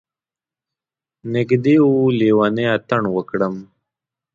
نږدې و لیونی اتڼ وکړم.